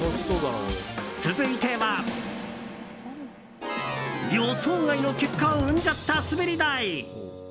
続いては予想外の結果を生んじゃった滑り台。